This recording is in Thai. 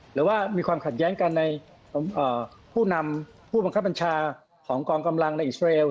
หรือว่ามีความขัดแย้งกันในผู้นำผู้บังคับบัญชาของกองกำลังในอิสราเอล